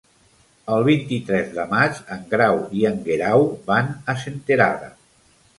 El vint-i-tres de maig en Grau i en Guerau van a Senterada.